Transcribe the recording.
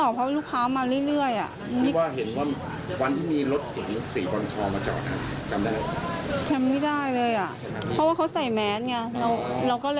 ปกติลูกค้าที่ซื้อดินเป็นลูกค้าประจำหรือประจำก่อน